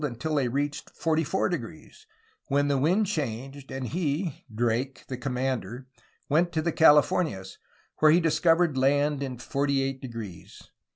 until they reached forty four degrees, when the wind changed and he [Drake, the commander] went to the Calif ornias, where he discovered land in forty eight degrees.